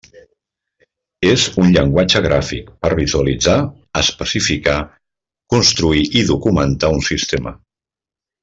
És un llenguatge gràfic per visualitzar, especificar, construir i documentar un sistema.